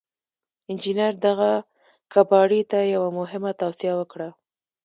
انجنير دغه کباړي ته يوه مهمه توصيه وکړه.